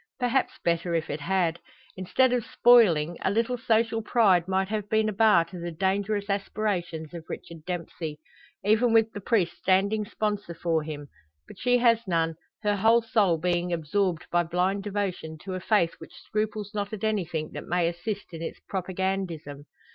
Perhaps better if it had. Instead of spoiling, a little social pride might have been a bar to the dangerous aspirations of Richard Dempsey even with the priest standing sponsor for him. But she has none, her whole soul being absorbed by blind devotion to a faith which scruples not at anything that may assist in its propagandism.